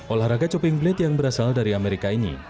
olahraga chopping blade yang berasal dari amerika ini